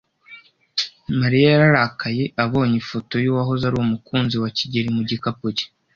Mariya yararakaye abonye ifoto yuwahoze ari umukunzi wa kigeli mu gikapu cye.